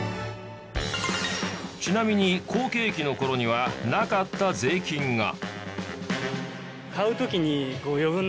ちなみに好景気の頃にはなかった税金が。